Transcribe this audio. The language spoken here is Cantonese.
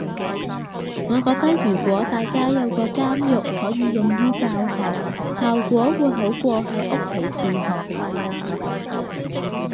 我覺得如果大家有個監獄可以用於教學，效果會好過喺屋企自學